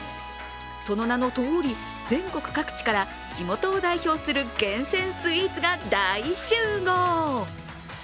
その名のとおり、全国各地から地元を代表する厳選スイーツが大集合。